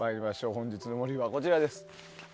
本日の森はこちらです。